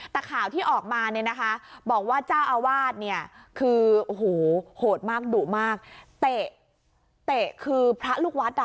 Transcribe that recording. แต่ข่าวที่ออกมาเนี่ยนะคะบอกว่าเจ้าอาวาสเนี่ยคือโอ้โหโหดมากดุมากเตะเตะคือพระลูกวัดอ่ะ